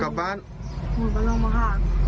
กลับบ้านมันลงมาห้าม